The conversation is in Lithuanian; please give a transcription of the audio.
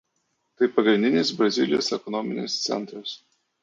Tai pagrindinis Brazilijos ekonominis centras.